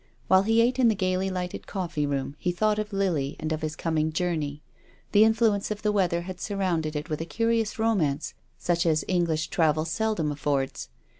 While he ate in the gaily lighted coffee room he thought of Lily and of his coming journey. The influence of the weather had surrounded it with a curious romance such as English travel seldom af fords.